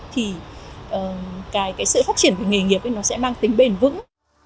thì sự phát triển của nghề nghiệp sẽ mang tính bền vững